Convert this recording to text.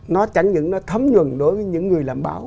nó chẳng những nó thấm nhuần đối với những người làm báo